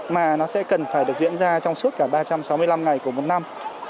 mà nó sẽ cần phải được diễn ra trong suốt cả ba trăm sáu mươi năm ngày của một năm